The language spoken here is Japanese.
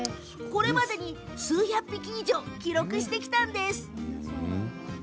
これまでに数百匹以上記録してきたんです。